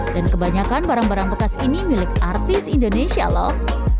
dan kebanyakan barang barang bekas ini milik artis indonesia loh